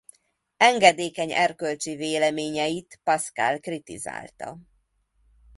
Engedékeny erkölcsi véleményeit Pascal kritizálta.